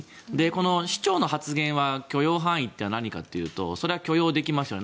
この市長の発言は許容範囲というのは何かというとそれは許容できますよね